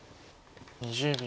２０秒。